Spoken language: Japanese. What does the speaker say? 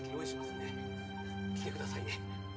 来てくださいね！